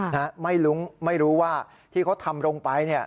นะฮะไม่รู้ไม่รู้ว่าที่เขาทำลงไปเนี่ย